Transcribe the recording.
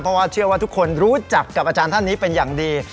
เพราะว่าเชื่อว่าทุกคนรู้จักกับอาจารย์ท่านนี้เป็นอย่างดี